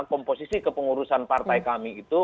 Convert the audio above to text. komposisi kepengurusan partai kami itu